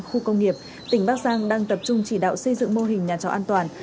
khu công nghiệp tỉnh bắc giang đang tập trung chỉ đạo xây dựng mô hình nhà trọ an toàn